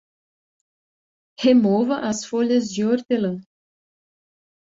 Remova as folhas de hortelã.